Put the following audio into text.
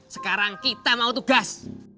sekarang kita mau tugas